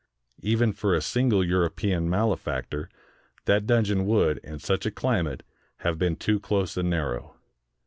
Even for a single European male factor, that dungeon would, in such a climate, have been too close and narrow.